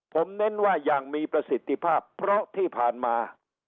ผมเน้นว่าอย่างมีประสิทธิภาพเพราะที่ผ่านมา